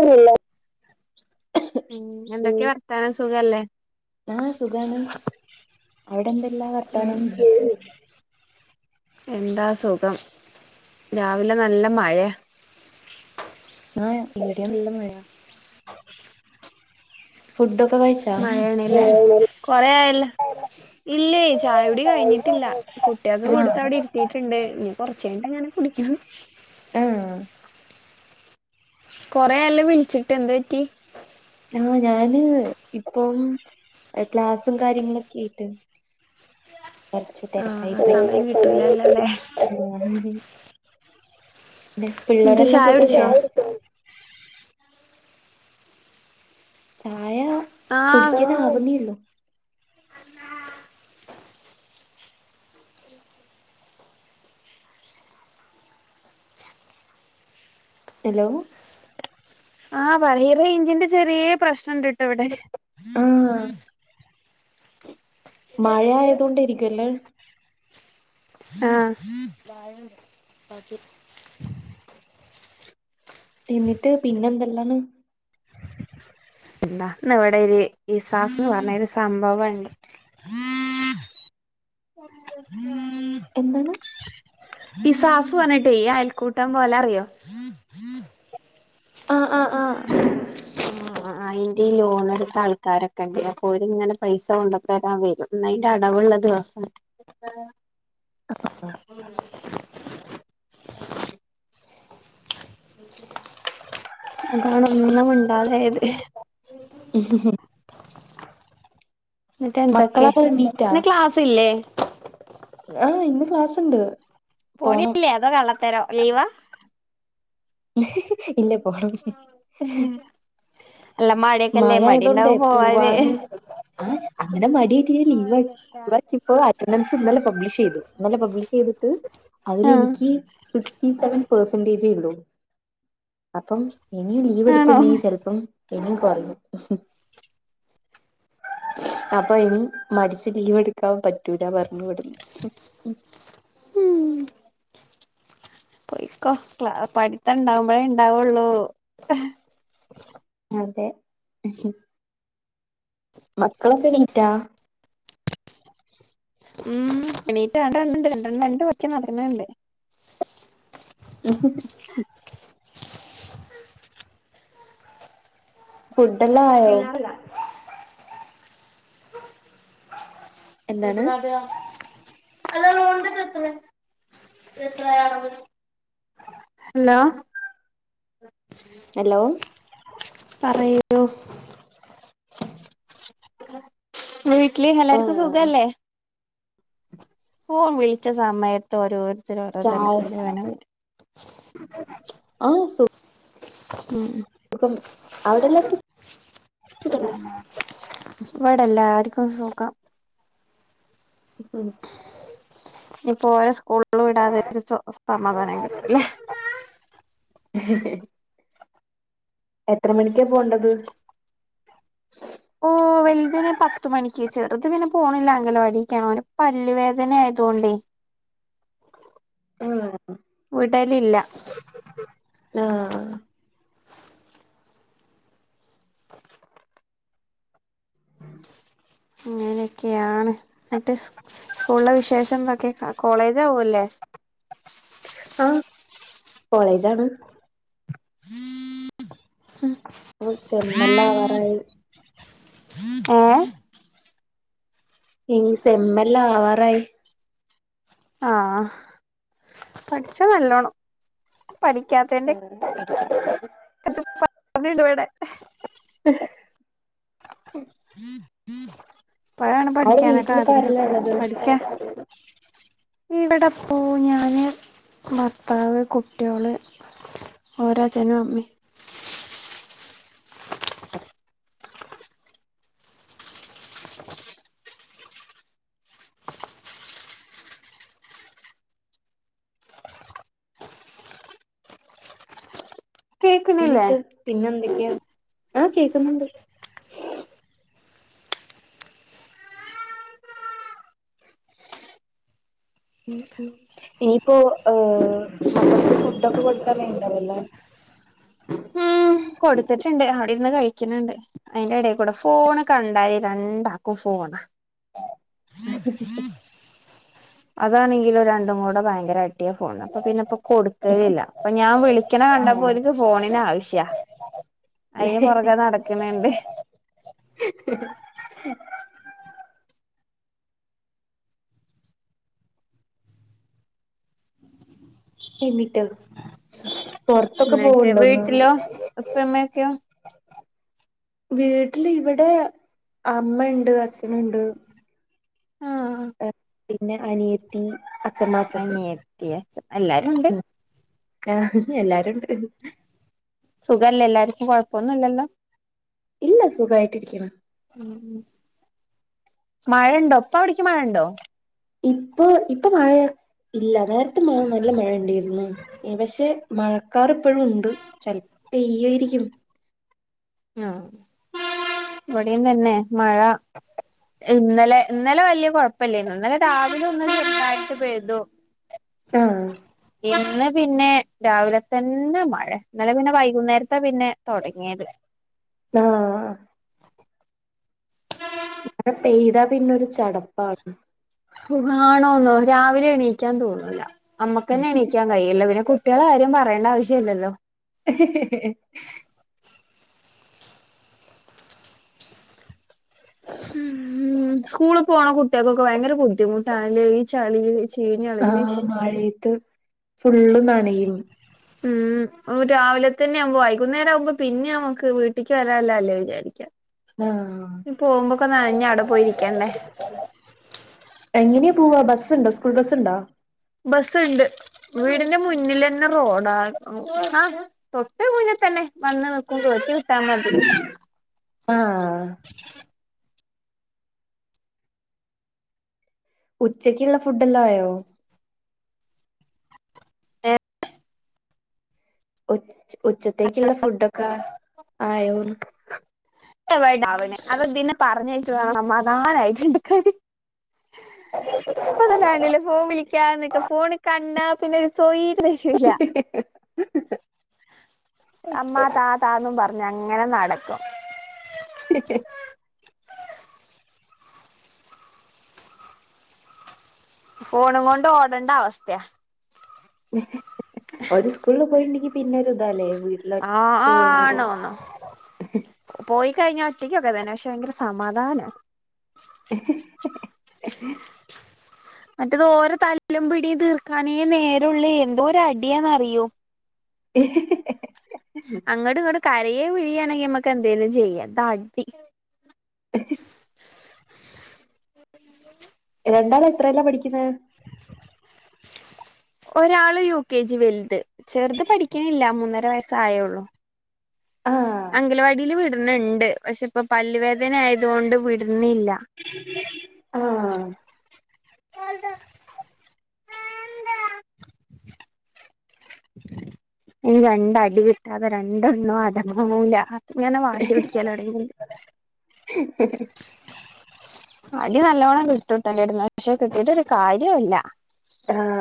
ഇല്ല. പിന്നെ എന്തൊക്കെയാ വർത്താനം സുഖല്ലേ. ആഹ് സുഖാണ് അവിടെ എന്തെല്ലാം വർത്താനം. എന്താ സുഖം രാവിലെ നല്ല മഴയാ. ആഹ് എവിടെ നല്ല മഴയാ. ഫുഡ് ഒക്കെ കഴിച്ച്. മഴയാണല്ലേ കൊറെ ആയല്ലോ. ഇല്ലേ, ചായകുടി കഴിഞ്ഞിട്ടില്ല. കുട്ടികക്ക് ആഹ് കൊടുത്ത് അവിടെ ഇരി എത്തിട്ടുണ്ട്, ഇനി കുറച്ച് കഴിമ്പം ഞാനും കുടിക്കും. ആഹ് കുറേ ആയല്ലോ വിളിച്ചിട്ട് എന്ത് പറ്റി. ആഹ് ഞാന് ഇപ്പം ക്ലാസും കാര്യങ്ങളൊക്കെ ആയിട്ട്. [inaudible] കുറച്ച് തിരക്കായി ആഹ് പോയി. സമയം കിട്ടൂലല്ലോ അല്ലേ പിന്നെ എന്നിട്ട് പിള്ളേരെല്ലാം ചായ സുഖല്ലേ. കുടിച്ചോ ചായ കുടിക്കാൻ ആവുന്നേള്ളൂ. ആഹ്. ഹലോ ആഹ് പറയ് റേഞ്ചിന്റെ ചെറിയ പ്രശ്നം ഉണ്ട്. എവിടെ ആഹ് മഴ ആയതുകൊണ്ട് ഇരിക്കുവല്ലേ. ആഹ്. എന്നിട്ട് പിന്നെ എന്തെല്ലാണ്. എന്താ ഇവിടെ ഒരു ഇസാഫ് പറഞ്ഞൊരു സംഭവം ഉണ്ട്. [unintelligible] എന്താണ് ഇസാഫ് പറഞ്ഞിട്ടെ ഈ അയൽക്കൂട്ടം പോലെ അറിയോ. ആഹ് ആഹ് ആഹ് ആഹ് അതിന്റെ ലോണെടുത്ത ആൾക്കാര്. കദിയപ്പോര് ഇങ്ങനെ പൈസ കൊണ്ടു തരാൻ വരും ഇന്നയ്ന്റെ അടവുള്ള ദിവസ [inaudible] അതാണ് ഒന്നും മിണ്ടാതായത്. [unintelligible] എന്നിട്ട് എന്തൊക്കെ മക്കളൊക്കെ എണീറ്റാ ഇന്ന് ക്ലാസ്സ് ഇല്ലേ. ആഹ് ഇന്ന് ക്ലാസ് ഇണ്ട്. പോണില്ലേ അതോ കള്ളത്തരോ ലീവാ. ഇല്ല പോണം. [unintelligible] മഴയൊക്കെല്ലേ മഴ ആയതോണ്ടേ മടിണ്ടാവും പോവാന് പോവാനും ആഹ് അങ്ങനെ മടിയായി ഇരുന്നാൽ ലീവ് ആവും [unintelligible] ഇപ്പൊ അറ്റൻഡൻസ് ഇന്നലെ പബ്ലിഷ് ചെയ്തു ഇന്നലെ പബ്ലിഷ് ചെയ്തിട്ട് ആഹ് അതിലെനിക്ക് സിക്സ്റ്റി സെവൻ പെർസെന്റേജേ ഉള്ളൂ അപ്പം ഇനിം ലീവ് ആണോ എടുക്കുന്നെൽ ചെലപ്പം ഇനിയും കുറയും അപ്പൊ ഇനി മടിച്ച് ലീവ് എടുക്കാൻ പറ്റൂല പറഞ്ഞു ഇവിട്ന്ന് ഉം പോയിക്കോല പഠിത്തുണ്ടാവുമ്പോഴേ ഇണ്ടാവുള്ളൂ അതെ മക്കളൊക്കെണീറ്റാ ഉം എണീറ്റ് [inaudible] [unintelligible] ഫുഡ്ല്ലാം ആയോ ല്ല എന്താണ് [unintelligible] എത്രയാ ഹലോ ഹലോ പറയൂ വീട്ടില് എല്ലാർക്കും ആഹ് സുഖല്ലേ ഫോൺ വിളിച്ച സമയ ത് ഓരോരുത്തര് ഓരോ ചായ തിരക്കല്ലും ഇങ്ങനെ വരും ആഹ് സു ഉം സുഖം അവിടെല്ലാരക്കും സു [inaudible] ഇവിടല്ലാർക്കും സുഖം ഉം ഇപ്പോ ഒരേ സ്കൂളിലും ഇടാതെ ഒരു സ സമാധാനം കിട്ടൂല്ലേ [unintelligible] എത്ര മണിക്കാ പോണ്ടത് ഓ വല്തിന് പത്ത് മണിക്ക് ചെറുത് പിന്നെ പോണില്ല അങ്കണവാടിക്കാ ഓൻ പല്ലുവേദന തൊണ്ടി ആഹ് വിടലില്ല ആഹ് അങ്ങനെയൊക്കെയാണ് എന്നിട്ട് സ്കൂളിലെ വിശേഷം എന്തൊക്കെ അ കോളേജ് ആവുല്ലേ ആഹ് കോളേജാണ് [inaudible] ഉം ഒരു സെമ്മല്ല ആവാറായി ഏഹ് ഈ സെമ്മല്ല ആവാറായി ആഹ് പഠിച്ച നല്ലോണം പഠിക്കാത്ത്ന്റെ [inaudible] [inaudible] [unintelligible] വെടെ [inaudible] ഇപ്പഴാണ് അവിടെ പഠിക്കാനൊക്കെ വീട്ടിലിപ്പ ആഗ്രഹം ആരെല്ലാ ഉള്ളത് പഠിക്കാ ഇവിടെ പോ ഞാന് ഭർത്താവ് കുട്ടിയൊള് ഒരേ അഛനും അമ്മിം കേക്കണില്ലേ എന്നീട്ട് പിന്നെ എന്തൊക്കെയാ ആഹ് കേക്കുന്നുണ്ട് ഉം ഉം ഇനിയിപ്പോ ഹ് മക്കൾക്ക് ഫുഡൊക്കെ കൊടുക്കാൻ കൊടുക്കാനായിണ്ടാവുല്ലേ [inaudible] കൊടുത്തിട്ടുണ്ട് അവിടെര് ന്ന് കഴി കഴിക്ന്ണ്ട് അയിന്റെ ഇടെകൂടെ ഫോണ് കണ്ടാ രണ്ടാക്കും ഫോണ [inaudible] അതാണെങ്കിലോ രണ്ടും കൂടെ ഭയങ്കര അടി കിട്ടിയ ഫോണ അപ്പൊ പിന്നെ ഇപ്പൊ കൊടുക്കലില്ല അപ്പ ഞാൻ വിളിക്കണ കണ്ടപ്പോ ഓല്ക്ക് ഫോണിന് ആവിശ്യയാ അയിന് പുറകെ നടക്കണണ്ട് എന്നിട്ടോ പൊറത്തൊക്കെ പോവ് എന്നിട്ട് ണ്ടോന്ന് വീട്ടിലോ ഉപ്പമ്മയൊക്കെയോ വീട്ടിൽ ഇവിടെ അമ്മ ണ്ട് അച്ചന് ണ്ട് ആഹ് പിന്നെ അനിയത്തി അച്ഛമ്മ അച്ഛച്ചൻ അനിയത്തി അച്ച എല്ലാരും ഉണ്ട് ആഹ് എല്ലാരുണ്ട് സുഖല്ലേ എല്ലാർക്കും കോഴപ്പൊന്നുല്ലല്ലോ ഇല്ല സുഖായിട്ട് രിക്കുണ് മഴണ്ടോ ഇപ്പ അവിടിക്കി മഴ ണ്ടോ ഇപ്പൊ ഇപ്പ മഴ ഇല്ല നേരത്തെ നല്ല മഴ ഉണ്ടായിരുന്നു പക്ഷെ മഴക്കാർ ഇപ്പഴും ഉണ്ട് ചലപ്പ പെയ്യായിരിക്കും അഹ് ഇവിടേം തന്നെ മഴ ഇന്നലെ ഇന്നലെ വല്യായ കൊഴപ്പല്ലേനു ഇന്നലെ രാവിലെ ഒന്ന് ചെറുതായിട്ട് പെയ്തു ആഹ് ഇന്ന് പിന്നെ രാവില തന്നെ മഴ ഇന്നലെ പിന്നെ വൈകുന്നേരത്താ പിന്നെ തൊടങ്ങിയത് ആഹ് ആഹ് മഴ പെയ്താ പിന്ന ഒരു ചടപ്പാണ് സുഖാണോന്നോ രാവിലെ എണീക്കാൻ തോന്നൂല്ല അമ്മക്കന്നെ എണീക്കാൻ കൈയില്ല പിന്നെ കുട്ടിയാളെ കാര്യം പറേണ്ട ആവിശ്യല്ലല്ലോ ഹ് ഹ് ഹ് മ്മ് സ്കൂൾ പോണ കുട്ടിയാകൊക്ക ഭയങ്കര ബുദ്ധിമുട്ടാണ് ലെ ഈ ചളി ആഹ് മഴയത്ത് ഫുള്ള് നനയും മ്മ് രാവില തന്നെ ആവുമ്പോ വൈകുന്നേരം ആകുമ്പോ പിന്നെ നമുക്ക് വീട്ടിക്കി വരാള്ള ല്ലേ വിചാരിക്കാ ആഹ് പോവുമ്പോക്ക നനഞ് അവിടെ പോയിരിക്കണ്ടേ എങ്ങിനയാ പോവാ ബസ് ഉണ്ടോ സ്കൂൾ ബസ് ണ്ടോ ബസ്സ് ഉണ്ട് വീടിന്റെ മുന്നിലന്നെ റോഡാ ആഹ് തൊട്ട് മുന്നെത്തന്നെ വന്ന് നിക്കും കേറ്റി വിട്ടാ മതി ആഹ് ഉച്ചക്കുള്ള ഫുഡെല്ലാം ആയോ ഉ ഉച്ചത്തേക്കുള്ള ഫുഡൊക്കെ ആയോന്ന് എവട ആവണ് അത് ഇതിനെ പറഞ്ഞയച്ച് വെണം സമാധാനായിട്ട് ഉണ്ടാക്കാൻ ഇപ്പത്തന്നെ കണ്ടില്ലേ ഫോൺ വിളിക്കാൻ നിക്കും ഫോണ് കണ്ടാ പിന്നെ ഓര് സൊയിരം തരൂല ഹ് ഹ് അമ്മാ താ താന്നും പറഞ്ഞ് അങ്ങനെ നടക്കും ഫോണും കൊണ്ട് ഓടണ്ട അവസ്ഥയാ ഓര് സ്കൂളിൽ പോയിട്ടുണ്ടെങ്കി പിന്നെ ഒരു ഇതാല്ലേ വീ ആഹ് ആഹ് ആണോന്നോ പോയിക്കഴിഞ്ഞ ഒറ്റക്കൊക്കെ തന്നെ പക്ഷെ ഭയങ്കര സമാധാനവാ ഹ് ഹ് ഹ് മറ്റേത് ഓരെ തല്ലും പിടിയും തീർക്കാനേ നേരവുള്ളേ എന്തോര അടിയാന്നറിയോ ഇ ഹ് ഹ് ഹ് അങ്ങട്ടും ഇങ്ങട്ടും കരയയും പിഴിയുവേയും ആണെങ്കിൽ നമ്മക്ക് എന്തേലും ചെയ്യാം ഇത് അടി [unintelligible] രണ്ടാളും എത്രയിലാ പഠിക്കുന്നത് ഒരാള് യു കെ ജി വലുത് ചെറുത് പഠിക്കണില്ല മൂന്നര വയസായുള്ളു ആഹ് അംഗനവാടിയിൽ വിടണണ്ട് പക്ഷെ ഇപ്പൊ പല്ലുവേദന ആയത് കൊണ്ട് വിടുന്നില്ല ആഹ് [unintelligible] ഇനി രണ്ട് അടി കിട്ടാതെ രണ്ടണ്ണവും അടങ്ങൂല്ല ഇങ്ങനെ വാശി പിടിക്കാൻ [inaudible] [unintelligible] അടി നല്ലോണം കിട്ടൂട്ടോ എന്റടുത്തുന്ന് പക്ഷെ കിട്ടീട്ട് ഒരു കാര്യവുമില്ല ആഹ്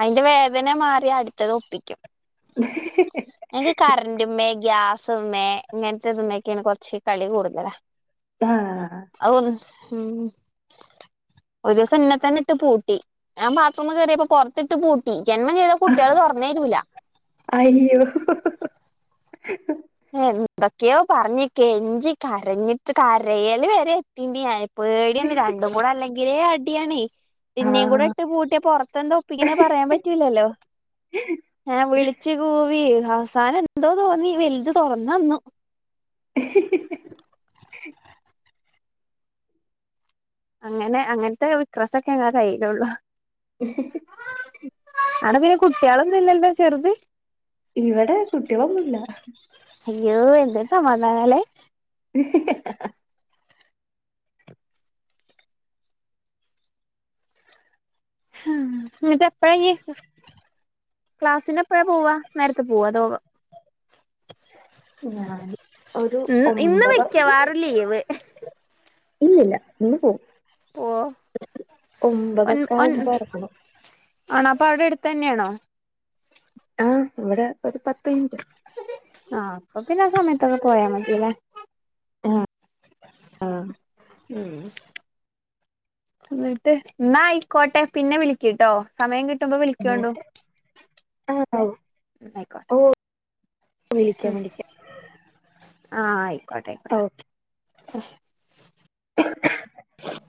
അതിന്റെ വേദന മാറിയാ അടുത്തത് ഒപ്പിക്കും [unintelligible] ഞങ്ങക്ക് കറന്റമ്മേ ഗ്യാസ്മ്മേ ഇങ്ങനത്തെ ഇതുമേലൊക്കെയാണ് കുറച്ച് കളി കൂടുതലാ ആഹ് ആഹ് ഉം ഒരു ദിവസം എന്നെ തന്നെ ഇട്ട് പൂട്ടി ഞാൻ ബാത്റൂമിൽ കയറിയപ്പോ പുറ ത്തിട്ട് പൂട്ടി ജന്മം ചെയ്താ കുട്ടികള് തുറന്ന് തരൂല്ല അയ്യോ ഹ എന്തൊക്കെയോ പറഞ്ഞ് കെഞ്ചി കരഞ്ഞിട്ട് കരയല് വരെ എത്തിയിനി ഞാൻ പേടിയാണ് രണ്ടും കൂടെ അല്ലെങ്കിലേ അടിയാണ് എന്നേയും കൂടെ ഇട്ട് പൂട്ടിയ പുറത്തെന്താ ഒപ്പിക്കുന്നെ പറയാൻ പറ്റൂലല്ലോ ആഹ് ഞാൻ വിളിച്ചു കൂവി അവസാനം എന്തോ തോന്നി വലുത് തുറന്ന് തന്നു ഹാ ഹാ ഹാ ഹാ അങ്ങനെ അങ്ങനത്തെ വിക്രസൊക്കെ ഞങ്ങടെ കയ്യിലുള്ളു ഈ ഹഹ അവിടെ പിന്നെ കുട്ടികളൊന്നും ഇല്ലല്ലോ ചെറുത് ഇവിടെ കുട്ടികളൊന്നും ഇല്ല അയ്യോ എന്തൊരു സമാധാനം അല്ലേ ഹ്ഹ് എന്നിട്ട എപ്പഴാ ഇയ്യ് ക്ലാസ്സിന് എപ്പഴാ പോവാ നേരത്തെ പോവാ അതോ ഞാൻ ഒരു ഉം ഇന്ന് ഒമ്പത് മിക്കവാറും ലീവ് ഇല്ലില്ല ഇന്ന് പോവും ഓ ഒൻ ഒമ്പതൊക്കെ ഒൻ ആകുമ്പോ ഇറങ്ങണം ആണോ അപ്പൊ അവിടെ അടുത്ത് തന്നെയാണോ ആഹ് ഇവിടെ ഒരു പത്ത് മിനിറ്റ് ആഹ് അപ്പൊ പിന്നെ ആ സമയത്തൊക്കെ പോയാ മതില്ലേ ആഹ് ഉം എന്നിട്ട് എന്നായിക്കോട്ടെ പിന്നെ വിളിക്ക ട്ടോ സമയം കിട്ടുമ്പോ വിളിക്കണ്ടോ ആഹ് ഓഹ് വിളിക്ക വിളിക്കാം ആഹ് ആയിക്കോട്ടെ ഓ ആയിക്കോട്ടെ [unintelligible]